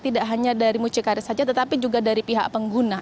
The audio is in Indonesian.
tidak hanya dari mucikaris saja tetapi juga dari pihak pengguna